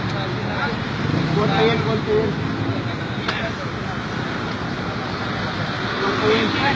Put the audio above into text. ห้าก็ได้ไม่ต้องจง